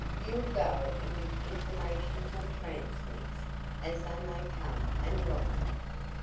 You'll go and give information to the tramps next, as they may come and rob me."